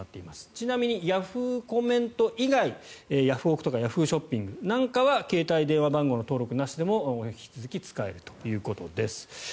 ちなみにヤフーコメント以外ヤフオク！とかＹａｈｏｏ！ショッピングなんかは携帯電話番号の登録なしでも引き続き使えるということです。